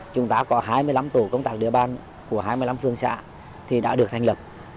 chúng ta có hai mươi năm tổ công tác địa bàn của hai mươi năm phương xã thì đã được thành lập